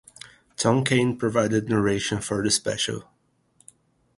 Tom Kane provided narration for the special.